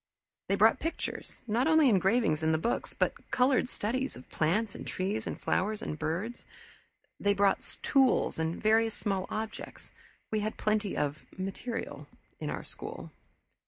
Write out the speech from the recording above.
They brought pictures, not only the engravings in the books but colored studies of plants and trees and flowers and birds. They brought tools and various small objects we had plenty of "material" in our school.